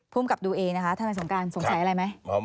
ภูมิกับดูเองนะคะทนายสงการสงสัยอะไรไหม